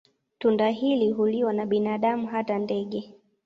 Tunda hili huliwa na binadamu na hata ndege.